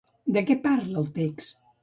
De què parla el text?